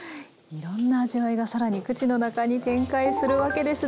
いろんな味わいが更に口の中に展開するわけですね。